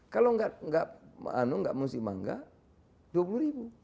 kalau nggak musim mangga dua puluh ribu